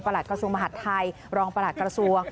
หลักกระทรวงมหาดไทยรองประหลัดกระทรวง